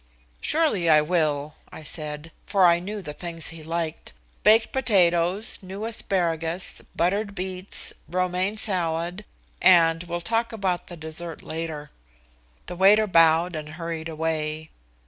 "Surely I will," I said, for I knew the things he liked. "Baked potatoes, new asparagus, buttered beets, romaine salad, and we'll talk about the dessert later." The waiter bowed and hurried away.